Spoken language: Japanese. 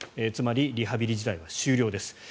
つまりリハビリ時代は終了です。